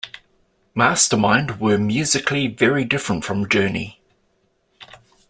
Mastermind were musically very different from Journey.